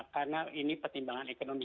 karena ini pertimbangan ekonomi